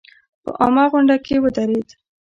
په عامه غونډه کې ودرېد.